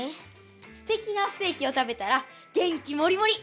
すてきなステーキを食べたら元気モリモリ！